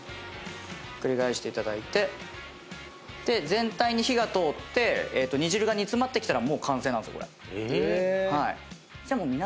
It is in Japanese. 全体に火が通って煮汁が煮詰まってきたらもう完成なんですよこれ。え！